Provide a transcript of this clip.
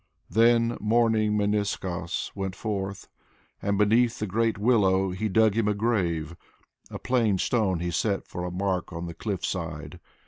Then mourning Meniskos went forth, and beneath the great willow He dug him a grave, a plain stone he set for a mark on the cliff side.